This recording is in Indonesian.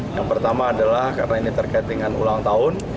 yang pertama adalah karena ini terkait dengan ulang tahun